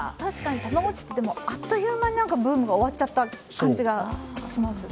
たまごっちって、あっという間にブームが終わっちゃった感じがします。